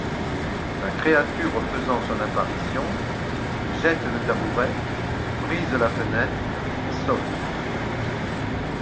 La créature faisant son apparition, il jette le tabouret, brise la fenêtre et saute.